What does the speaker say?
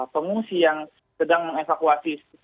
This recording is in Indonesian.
pengungsi yang sedang mengeksorasi